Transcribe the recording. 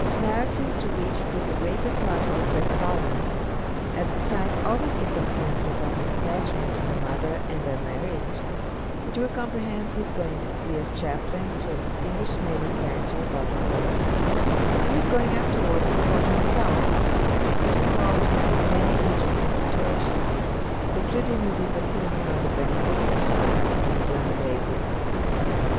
Narrative to reach through the greater part of the first volume; as besides all the circumstances of his attachment to her mother, and their marriage, it will comprehend his going to sea as chaplain to a distinguished naval character about the court; and his going afterwards to court himself, which involved him in many interesting situations, concluding with his opinion of the benefits of tithes being done away with